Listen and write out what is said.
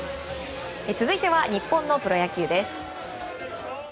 続いては日本のプロ野球です。